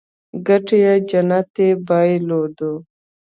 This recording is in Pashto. ګټلې جنت يې بايلودو.